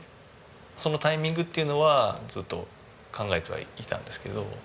そのタイミングっていうのはずっと考えてはいたんですけど。